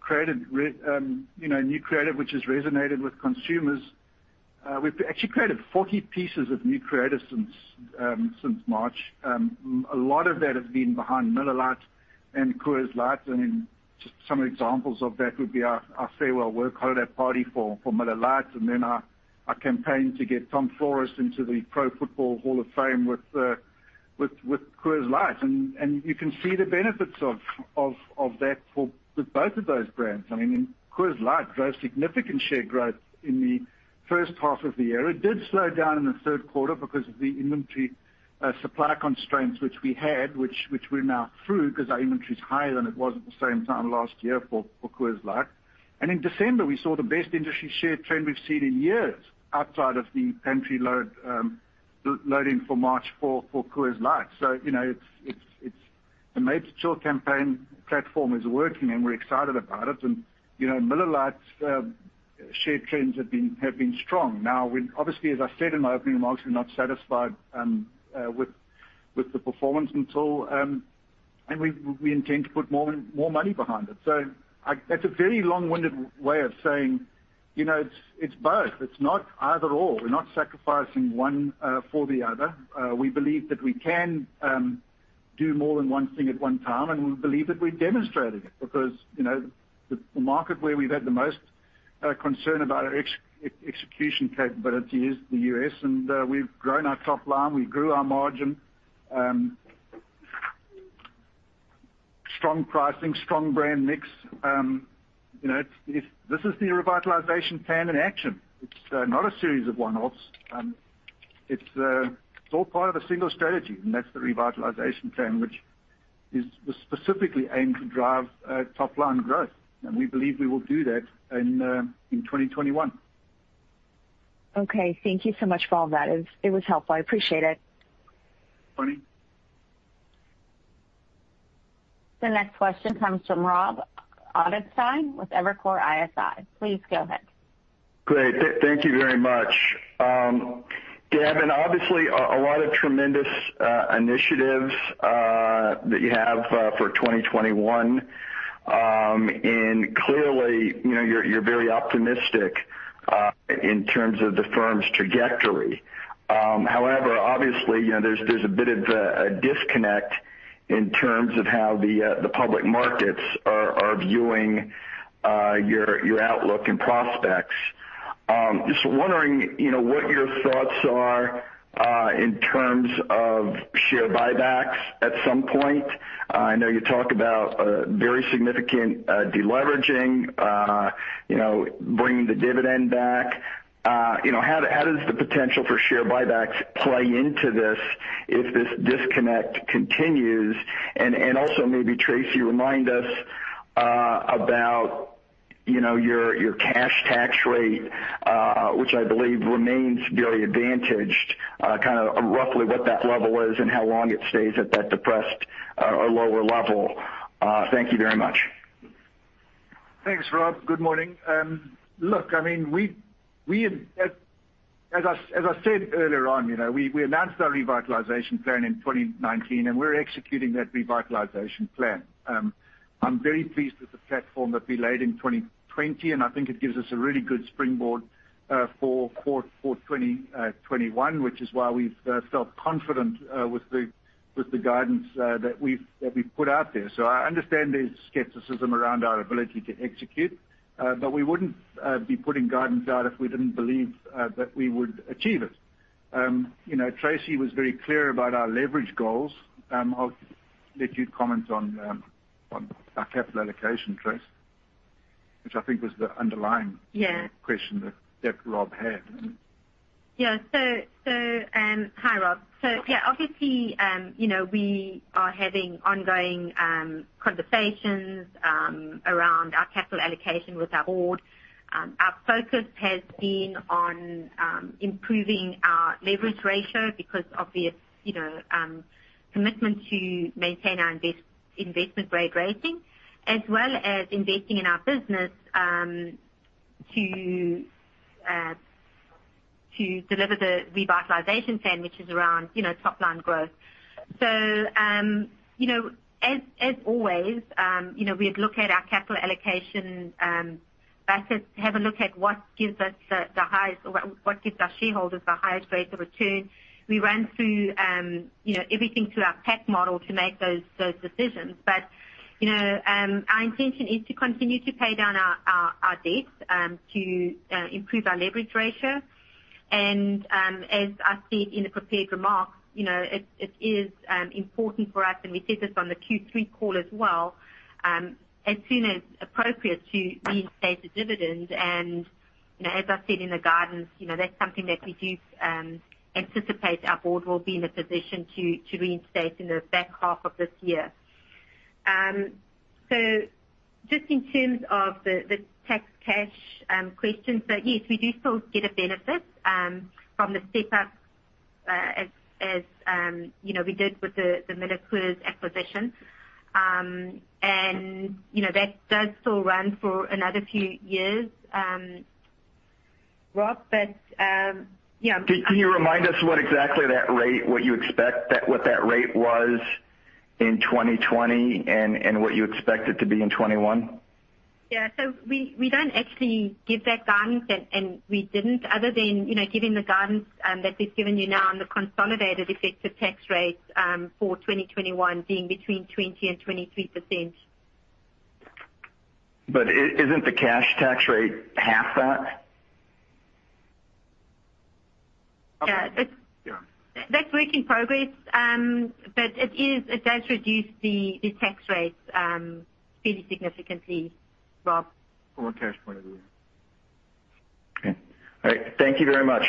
created new creative, which has resonated with consumers. We've actually created 40 pieces of new creative since March. A lot of that has been behind Miller Lite and Coors Light. Just some examples of that would be our Farewell Work Holiday party for Miller Lite, and then our campaign to get Tom Flores into the Pro Football Hall of Fame with Coors Light. You can see the benefits of that with both of those brands. I mean, Coors Light drove significant share growth in the first half of the year. It did slow down in the third quarter because of the inventory supply constraints which we had, which we're now through because our inventory is higher than it was at the same time last year for Coors Light. In December, we saw the best industry share trend we've seen in years outside of the pantry loading for March for Coors Light. It's the Made to Chill campaign platform is working, and we're excited about it. Miller Lite's share trends have been strong. Obviously, as I said in my opening remarks, we're not satisfied with the performance until, and we intend to put more money behind it. That's a very long-winded way of saying, it's both. It's not either/or. We're not sacrificing one for the other. We believe that we can do more than one thing at one time, and we believe that we've demonstrated it because the market where we've had the most concern about our execution capability is the U.S., and we've grown our top line. We grew our margin. Strong pricing, strong brand mix. This is the Revitalization Plan in action. It's not a series of one-offs. It's all part of a single strategy, and that's the Revitalization Plan, which is specifically aimed to drive top-line growth. We believe we will do that in 2021. Okay. Thank you so much for all that. It was helpful. I appreciate it. Bonnie? The next question comes from Rob Ottenstein with Evercore ISI. Please go ahead. Great. Thank you very much, Gavin. Obviously a lot of tremendous initiatives that you have for 2021. Clearly, you're very optimistic in terms of the firm's trajectory. Obviously, there's a bit of a disconnect in terms of how the public markets are viewing your outlook and prospects. Just wondering what your thoughts are in terms of share buybacks at some point. I know you talk about very significant de-leveraging, bringing the dividend back. How does the potential for share buybacks play into this if this disconnect continues? Also maybe, Tracey, remind us about your cash tax rate, which I believe remains very advantaged, kind of roughly what that level is and how long it stays at that depressed or lower level. Thank you very much. Thanks, Rob. Good morning. Look, as I said earlier on, we announced our revitalization plan in 2019, and we're executing that revitalization plan. I'm very pleased with the platform that we laid in 2020, and I think it gives us a really good springboard for 2021, which is why we felt confident with the guidance that we've put out there. I understand there's skepticism around our ability to execute. We wouldn't be putting guidance out if we didn't believe that we would achieve it. Tracey was very clear about our leverage goals. I'll let you comment on our capital allocation, Trace. Yeah. Question that Rob had. Hi, Rob. We are having ongoing conversations around our capital allocation with our board. Our focus has been on improving our leverage ratio because of our commitment to maintain our investment grade rating, as well as investing in our business to deliver the revitalization plan, which is around top line growth. As always we'd look at our capital allocation baskets, have a look at what gives us the highest or what gives our shareholders the highest rates of return. We ran everything through our pack model to make those decisions. Our intention is to continue to pay down our debt to improve our leverage ratio. As I said in the prepared remarks, it is important for us, and we said this on the Q3 call as well, as soon as appropriate to reinstate the dividend. As I said in the guidance, that's something that we do anticipate our board will be in a position to reinstate in the back half of this year. Just in terms of the tax cash question. Yes, we do still get a benefit from the step-up as we did with the MillerCoors acquisition. That does still run for another few years, Rob. Can you remind us what exactly that rate, what you expect, what that rate was in 2020 and what you expect it to be in 2021? Yeah. We don't actually give that guidance, and we didn't other than giving the guidance that we've given you now on the consolidated effective tax rate for 2021 being between 20% and 23%. Isn't the cash tax rate half that? Yeah. Yeah. That's work in progress, but it does reduce the tax rates pretty significantly, Rob. From a cash point of view. Okay. All right. Thank you very much.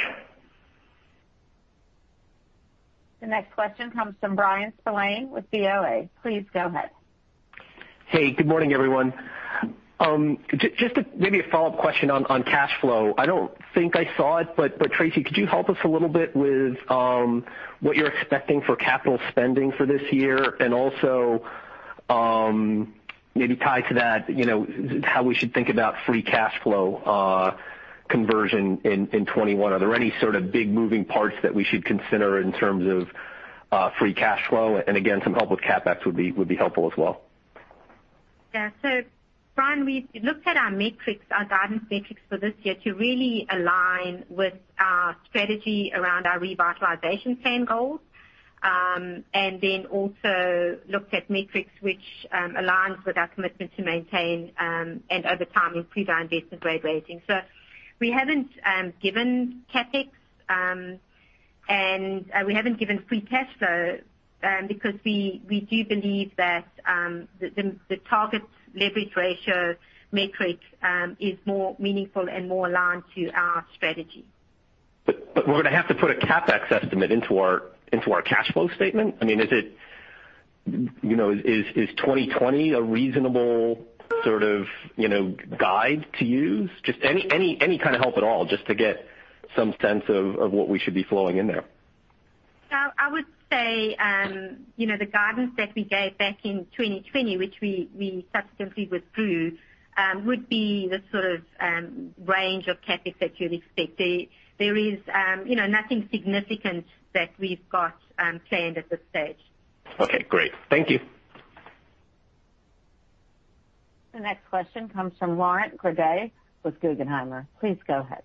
The next question comes from Bryan Spillane with BOA. Please go ahead. Hey, good morning, everyone. Just maybe a follow-up question on cash flow. I don't think I saw it, but Tracey, could you help us a little bit with what you're expecting for capital spending for this year, and also, maybe tied to that, how we should think about free cash flow conversion in 2021? Are there any sort of big moving parts that we should consider in terms of free cash flow? Again, some help with CapEx would be helpful as well. Bryan, we looked at our guidance metrics for this year to really align with our strategy around our revitalization plan goals, also looked at metrics which aligns with our commitment to maintain, and over time, improve our investment grade rating. We haven't given CapEx, and we haven't given free cash flow, because we do believe that the target leverage ratio metric is more meaningful and more aligned to our strategy. We're going to have to put a CapEx estimate into our cash flow statement. I mean, is 2020 a reasonable sort of guide to use? Just any kind of help at all, just to get some sense of what we should be flowing in there. I would say, the guidance that we gave back in 2020, which we subsequently withdrew, would be the sort of range of CapEx that you'd expect. There is nothing significant that we've got planned at this stage. Okay, great. Thank you. The next question comes from Laurent Grandet with Guggenheim. Please go ahead.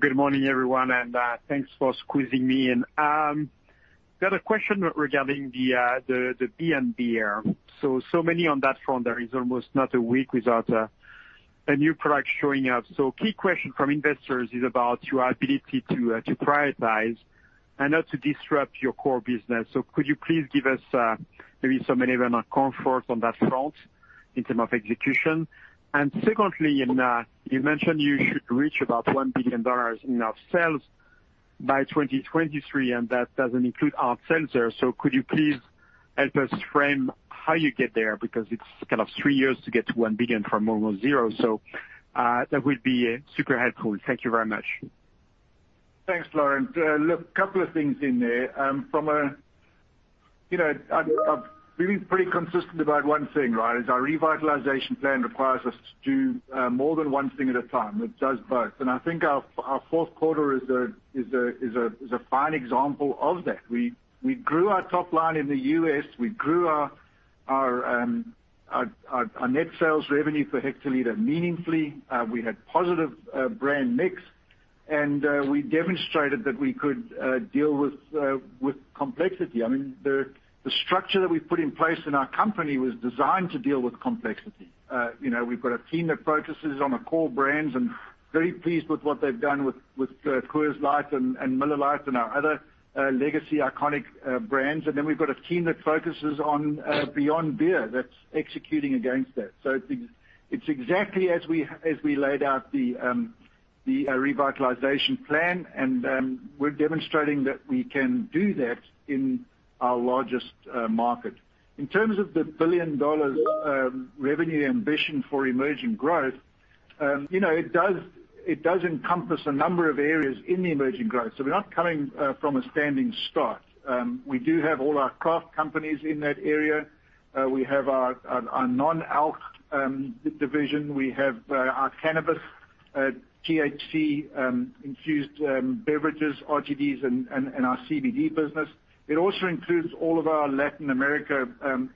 Good morning, everyone, and thanks for squeezing me in. Got a question regarding the Beyond Beer. Many on that front. There is almost not a week without a new product showing up. Key question from investors is about your ability to prioritize and not to disrupt your core business. Could you please give us maybe some element of comfort on that front in term of execution? Secondly, you mentioned you should reach about $1 billion in your sales by 2023, and that doesn't include hard seltzers. Could you please help us frame how you get there? Because it's kind of three years to get to $1 billion from almost zero. That would be super helpful. Thank you very much. Thanks, Laurent. Look, couple of things in there. I've been pretty consistent about one thing, right? Is our revitalization plan requires us to do more than one thing at a time. It does both. I think our fourth quarter is a fine example of that. We grew our top line in the U.S., we grew our net sales revenue per hectoliter meaningfully. We had positive brand mix, and we demonstrated that we could deal with complexity. I mean, the structure that we've put in place in our company was designed to deal with complexity. We've got a team that focuses on the core brands and very pleased with what they've done with Coors Light and Miller Lite and our other legacy iconic brands. We've got a team that focuses on Beyond Beer that's executing against that. It's exactly as we laid out the revitalization plan, and we're demonstrating that we can do that in our largest market. In terms of the billion-dollar revenue ambition for emerging growth, it does encompass a number of areas in the emerging growth. We're not coming from a standing start. We do have all our craft companies in that area. We have our non-alc division, we have our cannabis, THC-infused beverages, RTDs, and our CBD business. It also includes all of our Latin America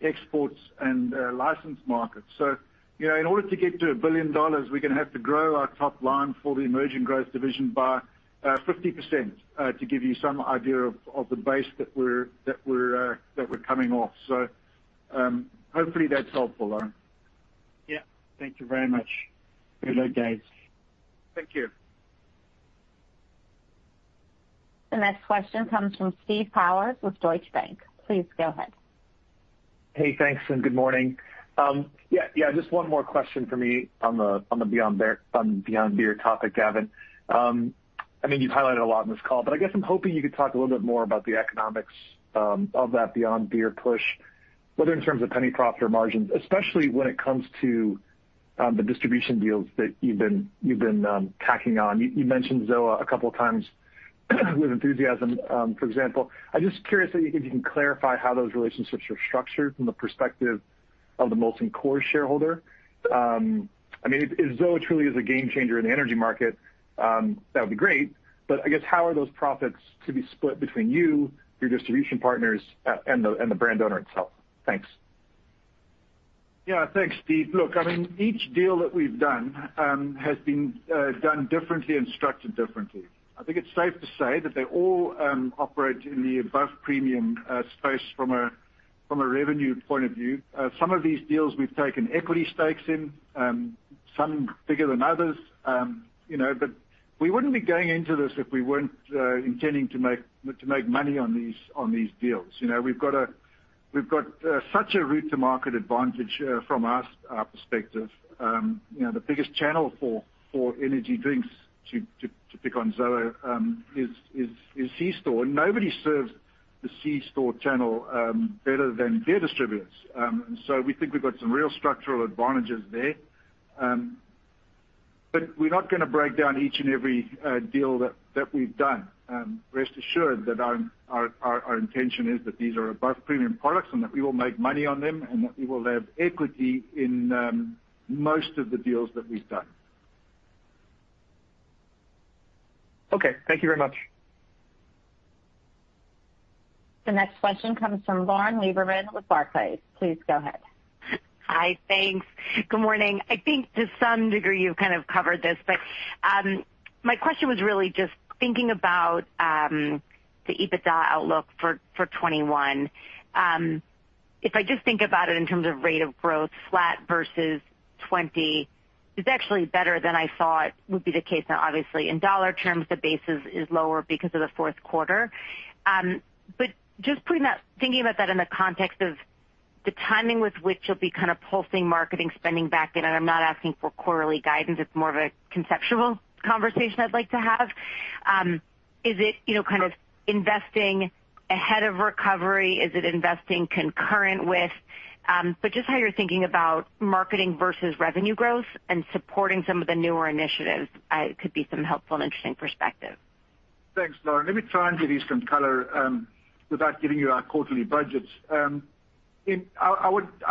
exports and license markets. In order to get to $1 billion, we're gonna have to grow our top line for the emerging growth division by 50%, to give you some idea of the base that we're coming off. Hopefully that's helpful, Laurent. Yeah, thank you very much. Good luck, guys. Thank you. The next question comes from Steve Powers with Deutsche Bank. Please go ahead. Hey, thanks, and good morning. Yeah, just one more question for me on the Beyond Beer topic, Gavin. I mean, you've highlighted a lot in this call, but I guess I'm hoping you could talk a little bit more about the economics of that Beyond Beer push, whether in terms of penny profit or margins, especially when it comes to the distribution deals that you've been tacking on. You mentioned ZOA a couple of times with enthusiasm, for example. I'm just curious if you can clarify how those relationships are structured from the perspective of the Molson Coors shareholder. I mean, if ZOA truly is a game changer in the energy market, that would be great. I guess how are those profits to be split between you, your distribution partners, and the brand owner itself? Thanks. Thanks, Steve. Look, I mean, each deal that we've done has been done differently and structured differently. I think it's safe to say that they all operate in the above premium space. From a revenue point of view, some of these deals we've taken equity stakes in, some bigger than others. We wouldn't be going into this if we weren't intending to make money on these deals. We've got such a route to market advantage from our perspective. The biggest channel for energy drinks, to pick on ZOA, is C-store. Nobody serves the C-store channel better than beer distributors. We think we've got some real structural advantages there. We're not going to break down each and every deal that we've done. Rest assured that our intention is that these are above-premium products and that we will make money on them, and that we will have equity in most of the deals that we've done. Okay. Thank you very much. The next question comes from Lauren Lieberman with Barclays. Please go ahead. Hi, thanks. Good morning. I think to some degree you've kind of covered this. My question was really just thinking about the EBITDA outlook for 2021. If I just think about it in terms of rate of growth, flat versus 2020, it's actually better than I thought would be the case. Obviously, in dollar terms, the base is lower because of the fourth quarter. Just thinking about that in the context of the timing with which you'll be kind of pulsing marketing spending back in. I'm not asking for quarterly guidance, it's more of a conceptual conversation I'd like to have. Is it kind of investing ahead of recovery? Is it investing concurrent with? Just how you're thinking about marketing versus revenue growth and supporting some of the newer initiatives could be some helpful and interesting perspective. Thanks, Lauren. Let me try and give you some color, without giving you our quarterly budgets. I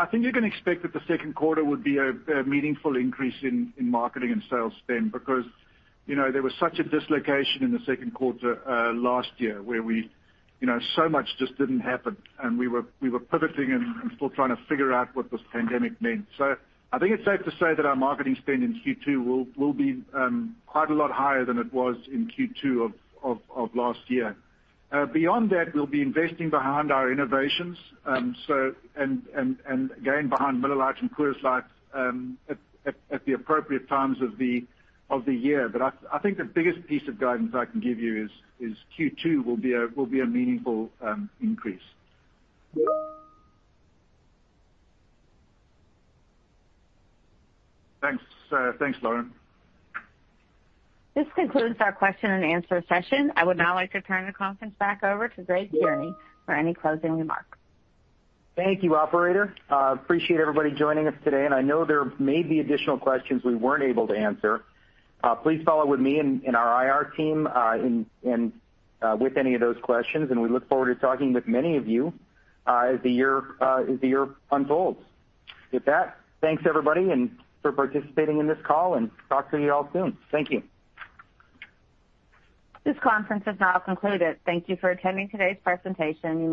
think you can expect that the second quarter would be a meaningful increase in marketing and sales spend because there was such a dislocation in the second quarter, last year, where so much just didn't happen, and we were pivoting and still trying to figure out what this pandemic meant. I think it's safe to say that our marketing spend in Q2 will be quite a lot higher than it was in Q2 of last year. Beyond that, we'll be investing behind our innovations, and again, behind Miller Lite and Coors Light at the appropriate times of the year. I think the biggest piece of guidance I can give you is Q2 will be a meaningful increase. Thanks, Lauren. This concludes our question and answer session. I would now like to turn the conference back over to Greg Tierney for any closing remarks. Thank you, operator. Appreciate everybody joining us today, and I know there may be additional questions we weren't able to answer. Please follow with me and our IR team with any of those questions, and we look forward to talking with many of you as the year unfolds. With that, thanks, everybody, and for participating in this call, and talk to you all soon. Thank you. This conference is now concluded. Thank you for attending today's presentation.